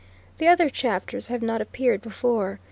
The other chapters have not appeared before.